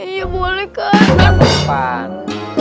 iya boleh kan